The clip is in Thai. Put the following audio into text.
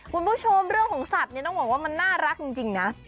คุณผู้ชมเรื่องของสัตว์เนี่ยต้องบอกว่ามันน่ารักจริงนะ